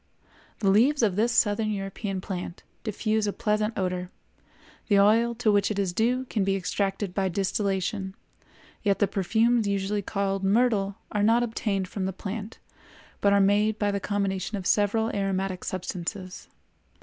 The leaves of this Southern European plant diffuse a pleasant odor; the oil to which it is due can be extracted by distillation; yet the perfumes usually called myrtle are not obtained from the plant, but are made by the combination of several aromatic substances.